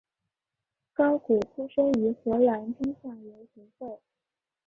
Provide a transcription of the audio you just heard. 高古出身于荷兰中下游球会。